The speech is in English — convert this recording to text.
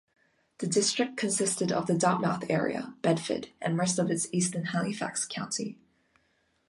The district consisted of the Dartmouth area, Bedford and most of eastern Halifax County.